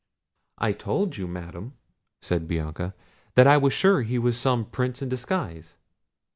"I told you, Madam," said Bianca, "that I was sure he was some Prince in disguise."